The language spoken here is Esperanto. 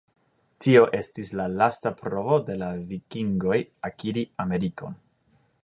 Tio estis la lasta provo de la vikingoj akiri Amerikon.